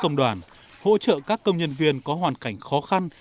chương trình máy ấm công đoàn hỗ trợ các công nhân viên có hoàn cảnh khó khăn